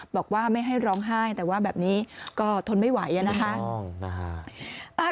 บอกว่าไม่ให้ร้องไห้แต่ว่าแบบนี้ก็ทนไม่ไหวนะคะ